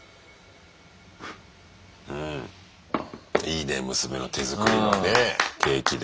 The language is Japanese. いいね娘の手作りのねケーキで。